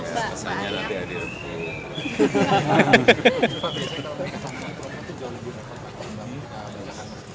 ya pesannya lagi ada di review